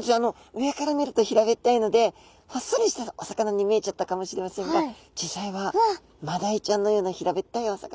上から見ると平べったいのでほっそりしたお魚に見えちゃったかもしれませんが実際はマダイちゃんのような平べったいお魚。